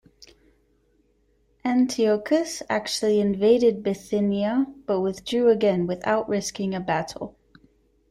Antiochus actually invaded Bithynia but withdrew again without risking a battle.